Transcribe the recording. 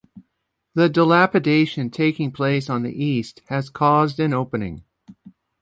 The dilapidation taking place on the east, has caused an opening.